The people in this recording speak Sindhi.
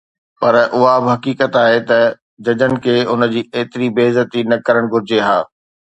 پر اها به حقيقت آهي ته ججن کي هن جي ايتري بي عزتي نه ڪرڻ گهرجي ها